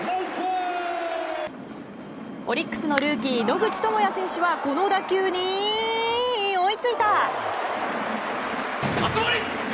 オリックスのルーキー野口智哉選手はこの打球に追いついた！